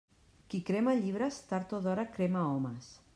Qui crema llibres, tard o d'hora crema homes.